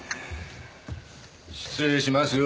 失礼しますよ。